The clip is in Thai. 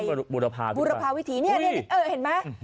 บุรพาวิถีหรือเปล่าบุรพาวิถีนี่เออเห็นไหม